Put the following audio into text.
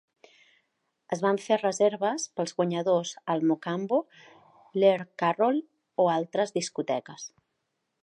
Es van fer reserves per als guanyadors al Mocambo, l'Earl Carroll o altres discoteques.